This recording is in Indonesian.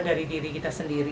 diri kita sendiri